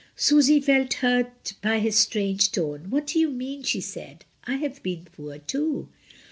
Susy felt hiut by his strange tone. "What do you mean?" she said. "I have been poor too."